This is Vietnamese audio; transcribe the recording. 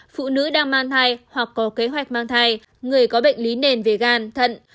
phụ nữ đang mang thai hoặc có kế hoạch mang thai người có bệnh lý nền về gan thận